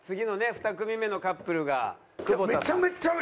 ２組目のカップルが久保田。